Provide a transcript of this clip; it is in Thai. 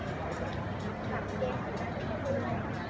พี่แม่ที่เว้นได้รับความรู้สึกมากกว่า